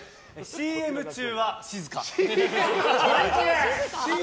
ＣＭ中は静か？